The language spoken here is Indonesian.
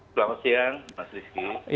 selamat siang mas rizky